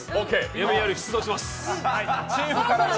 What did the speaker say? ＭＥＲ出動します！